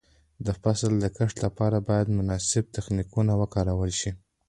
د فصل د کښت لپاره باید مناسب تخنیکونه وکارول شي.